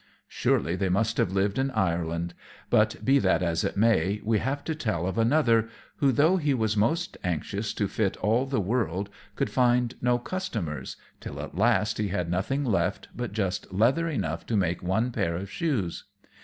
Surely they must have lived in Ireland; but, be that as it may, we have to tell of another, who, though he was most anxious to fit all the world, could find no customers, till at last he had nothing left but just leather enough to make one pair of shoes.